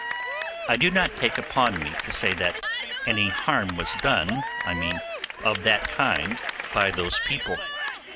I do not take upon me to say that any harm was done, I mean of that kind, by those people.